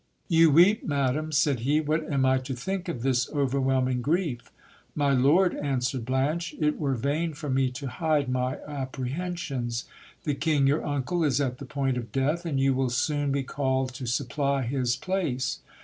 You weep, madam, said he, what am I to think of this overwhelming grief? My lord, answered Blanche, it were vain for me to hide my apprehensions. The king your uncle is at the point of death, and you will soon be called to supply his plape.